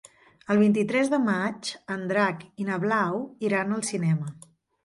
El vint-i-tres de maig en Drac i na Blau iran al cinema.